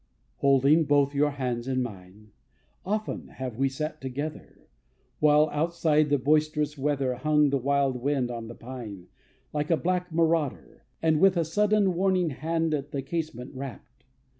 Holding both your hands in mine, Often have we sat together, While, outside, the boisterous weather Hung the wild wind on the pine Like a black marauder, and With a sudden warning hand At the casement rapped.